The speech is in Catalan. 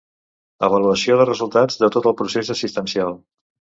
Avaluació de resultats de tot el procés assistencial.